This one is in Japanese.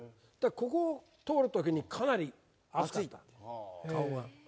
ここを通るときに、かなり熱かった、顔が。